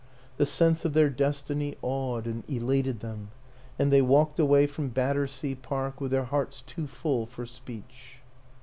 The sense of their destiny awed and elated them and they walked away from Battersea Park with their hearts too full for speech.